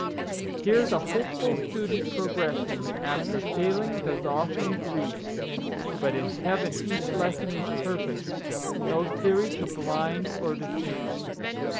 Here the hopeful student, progressing, After failing does often grieve; But in Heaven each lesson is perfect, No theory to blind or deceive.